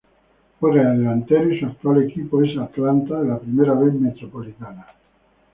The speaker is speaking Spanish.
Juega de delantero y su actual equipo es Atlanta de la Primera B Metropolitana.